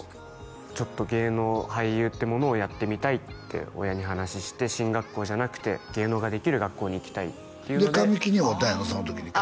ちょっと芸能俳優ってものをやってみたいって親に話して進学校じゃなくて芸能ができる学校に行きたいっていうのでで神木に会うたんやろその時にあ